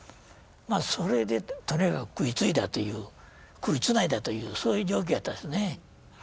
それでとにかく食いついだという食いつないだというそういう状況やったですね。